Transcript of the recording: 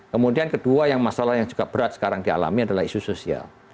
kemudian kedua yang masalah yang juga berat sekarang dialami adalah isu sosial